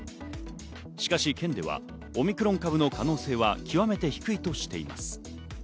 しかし県ではオミクロン株の可能性は極めて低いとしています。